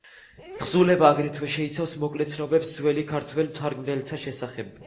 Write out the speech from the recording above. თხზულება აგრეთვე შეიცავს მოკლე ცნობებს ძველი ქართველ მთარგმნელთა შესახებ.